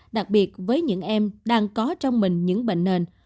đặc biệt với những em đang có trong mình những bệnh nền